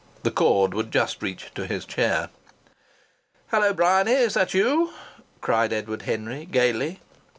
The cord would just reach to his chair. "Hello! Bryany! Is that you?" cried Edward Henry, gaily.